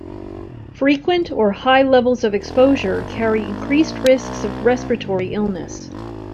Frequent or high levels of exposure carry increased risks of respiratory illness.